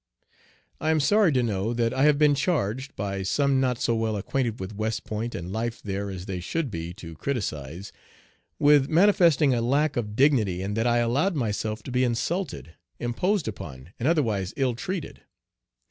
I am sorry to know that I have been charged, by some not so well acquainted with West Point and life there as they should be to criticise, with manifesting a lack of dignity in that I allowed myself to be insulted, imposed upon, and otherwise ill treated.